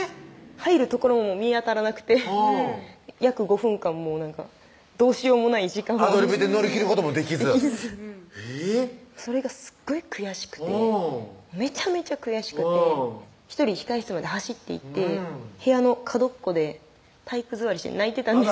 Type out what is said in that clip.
入るところも見当たらなくて約５分間どうしようもない時間アドリブで乗り切ることもできずできずそれがすっごい悔しくてめちゃめちゃ悔しくて１人控え室まで走っていって部屋の角っこで体育座りして泣いてたんです